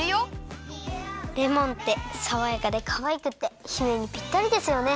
レモンってさわやかでかわいくって姫にぴったりですよね。